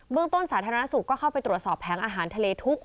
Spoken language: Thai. เมืองต้นสาธารณสุขก็เข้าไปตรวจสอบแผงอาหารทะเลทุกข